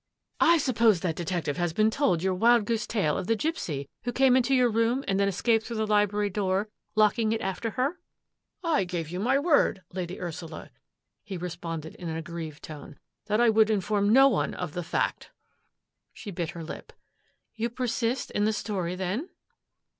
" I suppose that detective has been told your wild goose tale of the gipsy who came into your room and then escaped through the library door, locking it after her? "" I gave you my word. Lady Ursula," he re sponded in an aggrieved tone, " that I would in form no one of the /acf." She bit her lip. " You persist in the story then?"